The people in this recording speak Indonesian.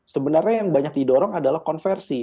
sebenarnya yang banyak didorong adalah konversi